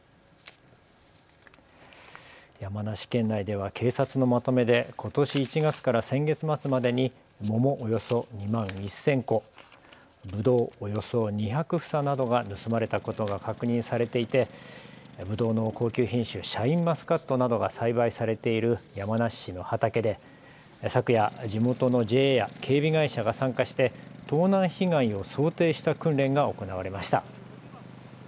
山梨県内では警察のまとめでことし１月から先月末までに桃およそ２万１０００個、ぶどうおよそ２００房などが盗まれたことが確認されていてぶどうの高級品種、シャインマスカットなどが栽培されている山梨市の畑で昨夜、地元のＪＡや警備会社が参加して盗難被害を想定した訓練が行われました。